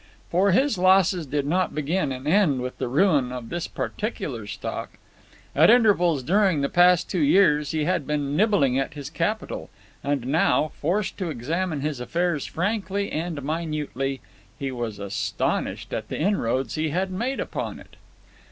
For his losses did not begin and end with the ruin of this particular stock. At intervals during the past two years he had been nibbling at his capital, and now, forced to examine his affairs frankly and minutely, he was astonished at the inroads he had made upon it.